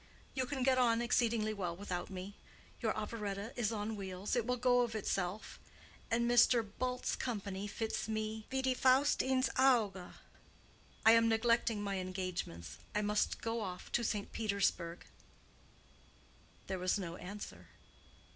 You can get on exceedingly well without me: your operetta is on wheels—it will go of itself. And your Mr. Bull's company fits me 'wie die Faust ins Auge.' I am neglecting my engagements. I must go off to St. Petersburg." There was no answer.